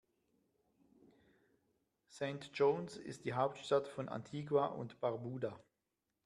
St. John’s ist die Hauptstadt von Antigua und Barbuda.